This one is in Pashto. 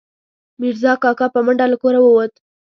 میرزا کاکا، په منډه له کوره ووت